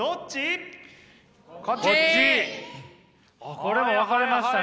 これも分かれましたね。